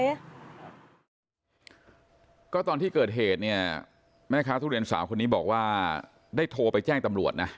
ก็ตอนที่เกิดเหตุเนี่ยแม่ค้าทุเรียนสาวคนนี้บอกว่าได้โทรไปแจ้งตำรวจนะ